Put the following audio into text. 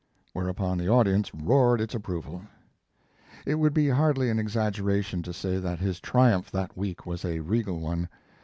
Whereupon the audience roared its approval. It would be hardly an exaggeration to say that his triumph that week was a regal one.